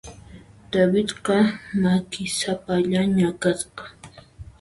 Davidqa makisapallaña kasqa.